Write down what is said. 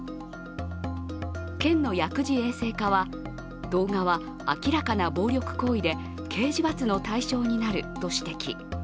県の薬事衛生課は、動画は明らかな暴力行為で刑事罰の対象になると指摘。